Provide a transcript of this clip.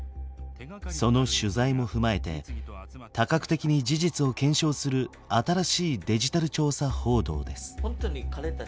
その取材も踏まえて多角的に事実を検証する新しいデジタル調査報道です。